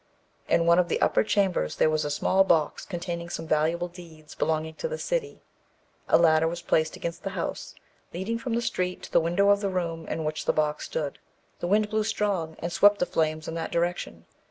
In one of the upper chambers there was a small box containing some valuable deeds belonging to the city; a ladder was placed against the house, leading from the street to the window of the room in which the box stood. The wind blew strong, and swept the flames in that direction.